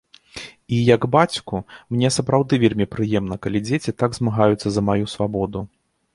І як бацьку, мне сапраўды вельмі прыемна, калі дзеці так змагаюцца за маю свабоду.